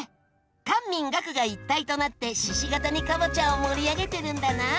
官民学が一体となって鹿ケ谷かぼちゃを盛り上げてるんだな。